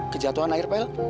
kejatuhan air pel